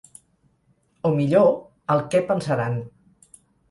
O millor, el què-pensaran.